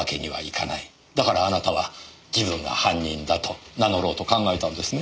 だからあなたは自分が犯人だと名乗ろうと考えたんですね。